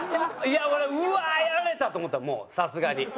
俺うわーやられたと思ったもうさすがに。